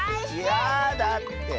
やだって！